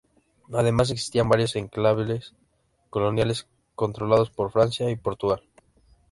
Además, existían varios enclaves coloniales controlados por Francia y Portugal.